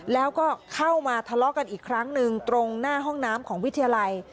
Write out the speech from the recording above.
แล้วก็เข้ามาทะเลาะกันอีกครั้งหนึ่งตรงหน้าห้องน้ำของวิทยาลัย